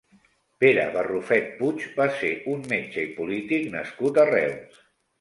Pere Barrufet Puig va ser un metge i polític nascut a Reus.